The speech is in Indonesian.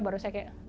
baru saya kayak